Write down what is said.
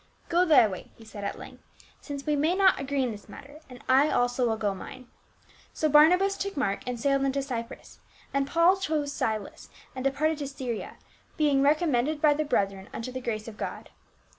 " Go thy way," he said at length, "since we may not agree in this matter, and I also will go mine." So Barnabas took Mark, and sailed unto Cyprus, and Paul chose Silas and departed to Syria, being recommended by the brethren unto the grace of God.